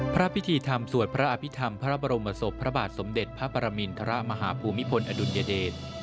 พระพิธีธรรมสวดพระอภิษฐรรมพระบรมศพพระบาทสมเด็จพระปรมินทรมาฮภูมิพลอดุลยเดช